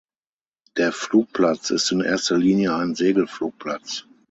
Der Flugplatz ist in erster Linie ein Segelflugplatz.